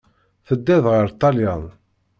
Teddiḍ ɣer Ṭṭalyan.